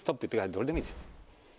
どれでもいいです。